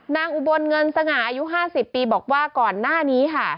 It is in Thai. อุบลเงินสง่าอายุ๕๐ปีบอกว่าก่อนหน้านี้ค่ะ